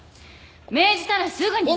命じたらすぐに。